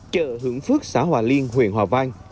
chợ hưởng phước xã hòa liên huyện hòa vang